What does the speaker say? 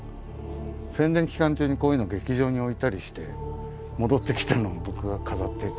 宣伝期間中にこういうのを劇場に置いたりして戻ってきたのを僕が飾ってる。